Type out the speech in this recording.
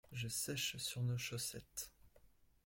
Je sèche sur nos chaussettes.